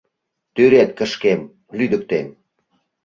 — Тӱред кышкем, — лӱдыктем.